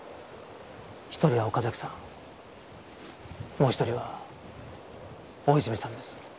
１人は岡崎さんもう１人は大泉さんです。